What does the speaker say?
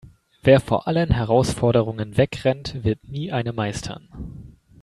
Wer vor allen Herausforderungen wegrennt, wird nie eine meistern.